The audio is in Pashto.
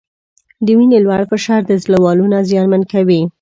د وینې لوړ فشار د زړه والونه زیانمن کوي.